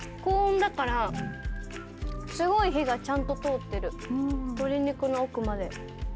高温だからすごい火がちゃんと通ってる鶏肉の奥まで。